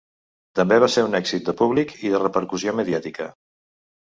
També va ser un èxit de públic i de repercussió mediàtica.